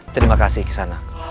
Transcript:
terima kasih kisanak